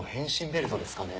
ベルトですかね。